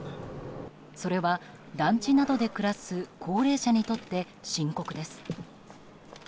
それは団地などで暮らす高齢者にとって深刻です。